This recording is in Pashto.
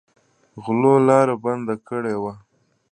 غلو لاره بنده کړې وه.